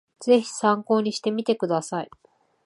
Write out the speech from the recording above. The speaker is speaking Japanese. ぜひ参考にしてみてください